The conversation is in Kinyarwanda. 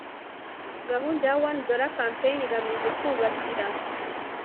gahunda yaone dollar campaign igamije kubakira